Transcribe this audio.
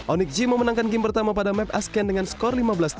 onyx g memenangkan game pertama pada map asken dengan skor lima belas tujuh belas